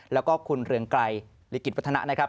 แล้วก็คุณเรืองไกรลิกิจวัฒนะนะครับ